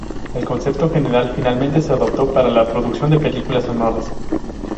El concepto general finalmente se adoptó para la producción de películas sonoras.